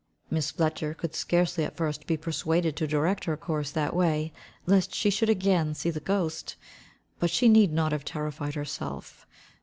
Miss Fletcher, could scarcely at first be persuaded to direct her course that way, lest she should again see the ghost. But she need not have terrified herself.